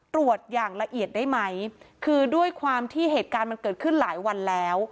ตรวจอย่างละเอียดได้ไหมคือด้วยความที่เหตุการณ์มันเกิดขึ้นหลายวันแล้ว